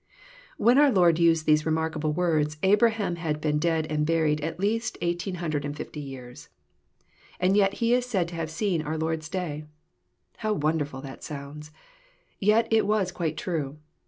When our Lord used these remarkable words, Abraham had been dead and buried at least 1850 years I And yet he is said to have seen our Lord's day I How wonderful that sounds I Yet it was quite true.